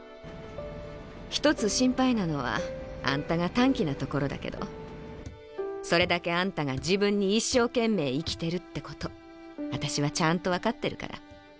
「ひとつ心配なのはあんたが短気なところだけどそれだけあんたが自分に一生懸命生きてるってことあたしはちゃんとわかってるから。